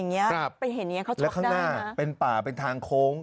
เป็นเหตุอย่างนี้เขาช็อคได้นะครับแล้วข้างหน้าเป็นป่าเป็นทางโค้ง